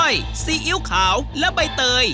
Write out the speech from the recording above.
ซีอิ๊วขาวและใบเตย